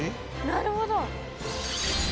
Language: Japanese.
なるほど！